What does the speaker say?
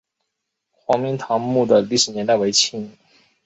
黄明堂墓的历史年代为清。